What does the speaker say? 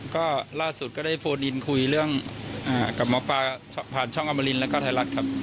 ก็ล่าสุดก็ได้โฟดินคุยเรื่องกับหมอปลาผ่านช่องอมรินแล้วก็ไทยรัฐครับ